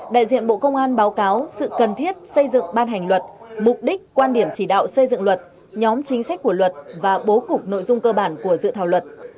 đại diện bộ công an báo cáo sự cần thiết xây dựng ban hành luật mục đích quan điểm chỉ đạo xây dựng luật nhóm chính sách của luật và bố cục nội dung cơ bản của dự thảo luật